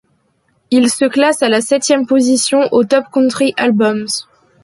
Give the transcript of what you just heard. Il se classe à la septième position au Top Country Albums.